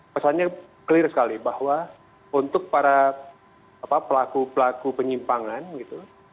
pesannya clear sekali bahwa untuk para pelaku pelaku penyimpangan gitu